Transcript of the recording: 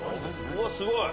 うわすごい。